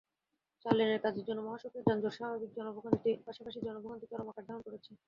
চার লেনের কাজের জন্য মহাসড়কে যানজটের পাশাপাশি জনভোগান্তি চরম আকার ধারণ করেছে।